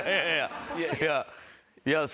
いやいやいやあ。